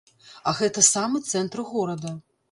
А гэта самы цэнтр горада!